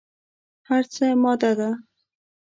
هر څه ماده ده.